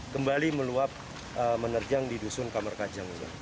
kembali meluap menerjang di dusun kamarkajang ini